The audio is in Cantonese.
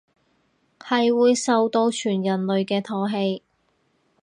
係會受到全人類嘅唾棄